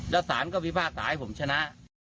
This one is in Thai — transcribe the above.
แล้วสารก็พิพากษาให้ผมชนะ